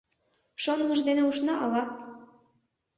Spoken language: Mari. Шонымыж дене ушна, ала?